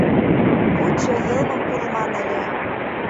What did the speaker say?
Лучо йылмым пурлман ыле.